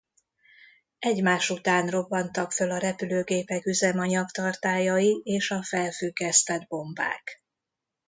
Egymás után robbantak föl a repülőgépek üzemanyagtartályai és a felfüggesztett bombák.